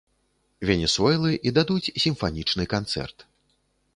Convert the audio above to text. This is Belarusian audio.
Венесуэлы і дадуць сімфанічны канцэрт.